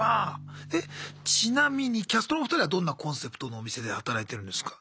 えちなみにキャストのお二人はどんなコンセプトのお店で働いてるんですか？